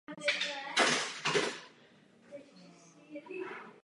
Náhle je z hradu na pozadí slyšet ženský křik a Ned tam běží.